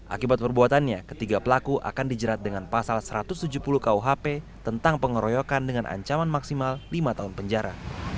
akibat perbuatannya ketiga pelaku akan dijerat dengan pasal satu ratus tujuh puluh kuhp tentang pengeroyokan dengan ancaman maksimal lima tahun penjara